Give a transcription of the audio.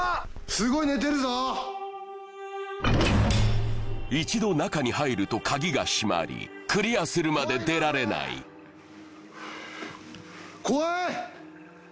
すごい一度中に入ると鍵が閉まりクリアするまで出られない怖い！